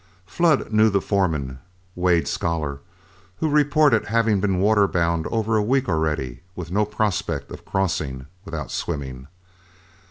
Flood knew the foreman, Wade Scholar, who reported having been waterbound over a week already with no prospect of crossing without swimming.